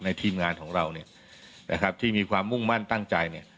ในทีมงานของเราที่มีความมุ่งมั่นตั้งใจ